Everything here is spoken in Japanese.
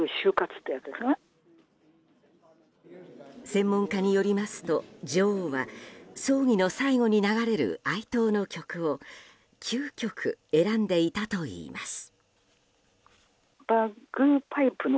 専門家によりますと女王は葬儀の最後に流れる哀悼の曲を９曲選んでいたといいます。